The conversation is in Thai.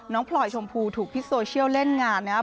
พลอยชมพูถูกพิษโซเชียลเล่นงานนะครับ